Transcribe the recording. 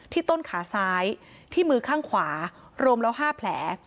ต้นขาซ้ายที่มือข้างขวารวมแล้ว๕แผล